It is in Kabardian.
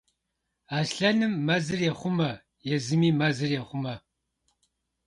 Аслъэным мэзыр ехъумэ, езыми мэзыр ехъумэ.